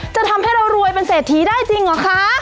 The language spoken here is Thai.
จะทำให้เรารวยเป็นเศรษฐีได้จริงเหรอคะ